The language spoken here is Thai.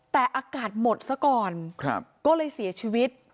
แต่อากาศหมดซะก่อนก็เลยเสียชีวิต